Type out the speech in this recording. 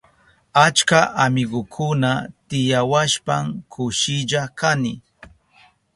Achka amigukuna tiyawashpan kushilla kani.